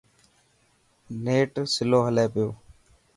نيٽ سلو هلي پيو.